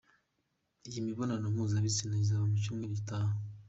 Iyi mibonano mpuzabitsina izaba mu cyumweru gitaha.